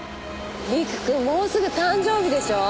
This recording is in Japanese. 陸くんもうすぐ誕生日でしょう？